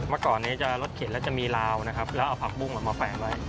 เมื่อก่อนนี้จะรถเข็นแล้วจะมีลาวนะครับแล้วเอาผักบุ้งมาแฝนไว้